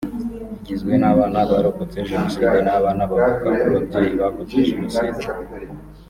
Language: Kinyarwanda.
igizwe n’abana barokotse Jenoside n’abana bavuka ku babyeyi bakoze Jenoside